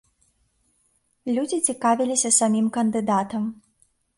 Людзі цікавіліся самім кандыдатам.